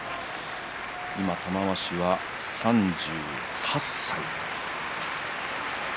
玉鷲は今、３８歳。